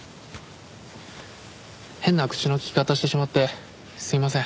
変な口の利き方してしまってすみません。